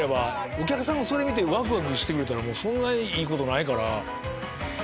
お客さんもそれ見てワクワクしてくれたらそんないいことないから。